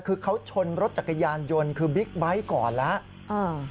คือเขาชนรถจักรยานยนต์คือบิ๊กไบท์ก่อนแล้ว